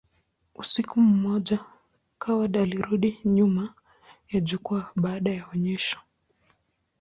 Usiku mmoja, Coward alirudi nyuma ya jukwaa baada ya onyesho.